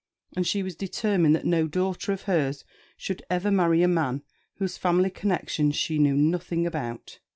And she was determined that no daughter of hers should ever marry a man whose family connections she knew nothing about.